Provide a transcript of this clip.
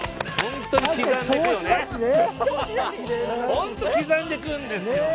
ホント刻んでくるんですよ。